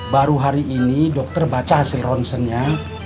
baru hari ini dokter baca hasil ronsennya